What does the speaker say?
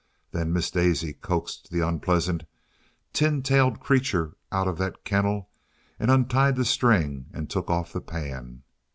Then Miss Daisy coaxed the unpleasant, tin tailed creature out of the kennel, and untied the string, and took off the pan.